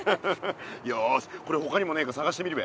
よしこれほかにもねえかさがしてみるべ。